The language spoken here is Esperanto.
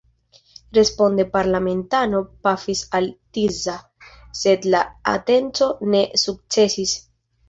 Responde parlamentano pafis al Tisza, sed la atenco ne sukcesis.